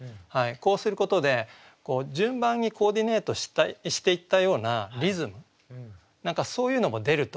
こうすることで順番にコーディネートしていったようなリズム何かそういうのも出ると思うんですよね。